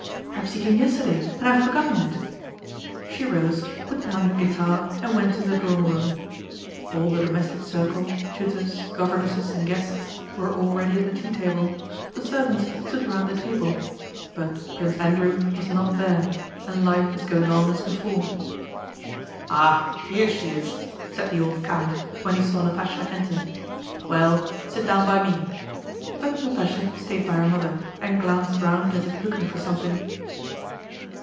Perhaps he came yesterday and I have forgotten it." She rose, put down the guitar, and went to the drawing room. All the domestic circle, tutors, governesses, and guests, were already at the tea table. The servants stood round the table—but Prince Andrew was not there and life was going on as before. "Ah, here she is!" said the old count, when he saw Natásha enter. "Well, sit down by me." But Natásha stayed by her mother and glanced round as if looking for something.